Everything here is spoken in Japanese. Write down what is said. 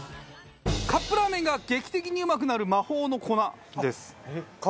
カップラーメンが劇的にうまくなる魔法の粉です。